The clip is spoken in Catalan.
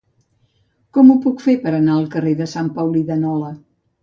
Com ho puc fer per anar al carrer de Sant Paulí de Nola?